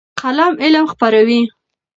قلم علم خپروي.